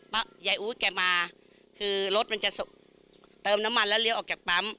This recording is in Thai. ยายอู๊ดแกมาคือรถมันจะเติมน้ำมันแล้วเลี้ยวออกจากปั๊ม